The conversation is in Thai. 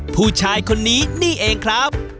ผู้ชายคนนี้นี่เองครับ